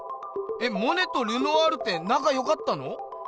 えっモネとルノワールってなかよかったの？